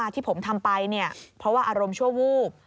ที่ผมทำไปเพราะว่าอารมณ์ชั่ววูบ